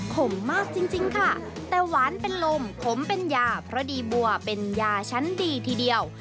ขมมากจริงค่ะแต่หวานเป็นลมขมเป็นยาเพราะดีบัวเป็นยาชั้นดีทีเดียว